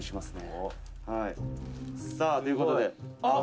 「さあという事であっ！」